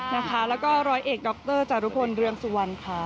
แล้วก็ร้อยเอกดรจารุพลเรืองสุวรรณค่ะ